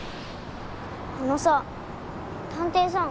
あのさ探偵さん。